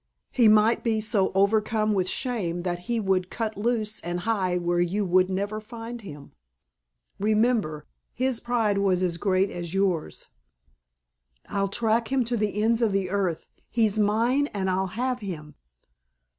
He might be so overcome with shame that he would cut loose and hide where you would never find him. Remember, his pride was as great as yours." "I'd track him to the ends of the earth. He's mine and I'll have him."